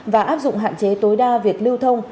và áp dụng hạn chế tối đa việc lưu thông